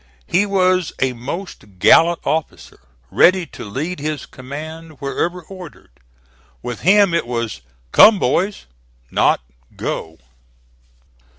He was a most gallant officer, ready to lead his command wherever ordered. With him it was "Come, boys," not "Go."